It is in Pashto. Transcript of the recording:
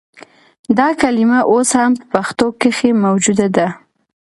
دا کلمه اوس هم په پښتو کښې موجوده ده